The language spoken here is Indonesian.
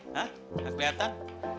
hah gak keliatan